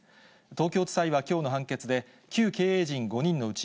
東京地裁はきょうの判決で、旧経営陣５人のうち、